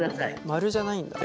丸じゃないんだ。